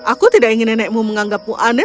aku tidak ingin nenekmu menganggapmu aneh